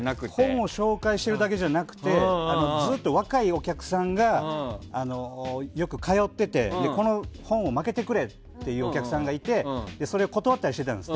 本を紹介しているだけじゃなくてずっと若いお客さんがよく通っててこの本を負けてくれっていうお客さんがいてそれを断ったりしていたんです。